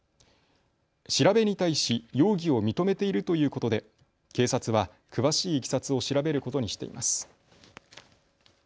調べに対し容疑を認めているということで警察は詳しいいきさつを調べることにしています。